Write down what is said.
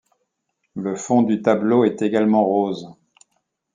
Le fond du tableau est également rose.